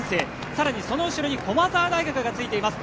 更にその後ろに駒澤大学がついています。